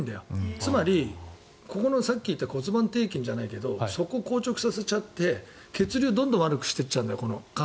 つまり、ここのさっき言った骨盤底筋じゃないけどそこを硬直させちゃって下半身の血流どんどん悪くなっちゃうんだよ。